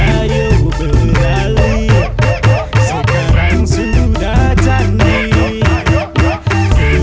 ayo beralih sekarang sudah janglih